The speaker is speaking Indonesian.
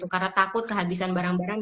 karena takut kehabisan barang barang